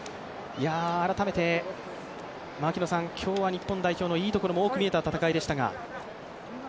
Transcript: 改めて、槙野さん今日は日本代表のいいところも見えた戦いでしたが。